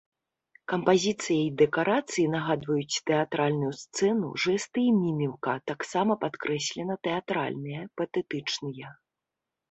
Кампазіцыя і дэкарацыі нагадваюць тэатральную сцэну, жэсты і міміка таксама падкрэслена тэатральныя, патэтычныя.